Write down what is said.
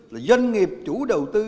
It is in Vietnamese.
là doanh nghiệp chủ đầu tư